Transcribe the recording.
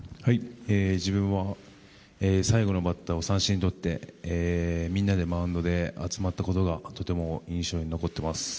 自分は最後のバッターを三振にとってみんなでマウンドに集まったことがとても印象に残っています。